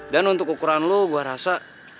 dan untuk ukuran lo gue rasa